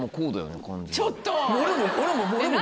ちょっと。